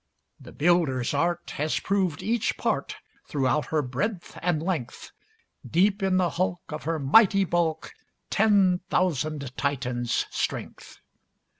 "The builder's art Has proved each part Throughout her breadth and length; Deep in the hulk, Of her mighty bulk, Ten thousand Titans' strength."